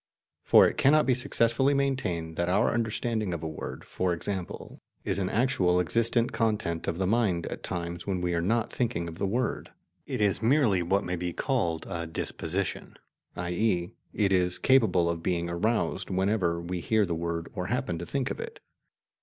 For it cannot be successfully maintained that our understanding of a word, for example, is an actual existent content of the mind at times when we are not thinking of the word. It is merely what may be called a "disposition," i.e. it is capable of being aroused whenever we hear the word or happen to think of it.